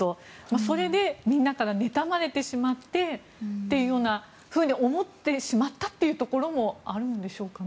それでみんなから妬まれてしまってというふうに思ってしまったというところもあるんでしょうかね。